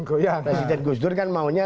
presiden gusdur kan maunya